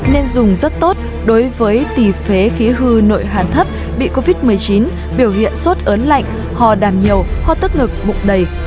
nên dùng rất tốt đối với tỷ phế khí hư nội hàn thấp bị covid một mươi chín biểu hiện sốt ớn lạnh ho đàm nhiều ho tức ngực bụng đầy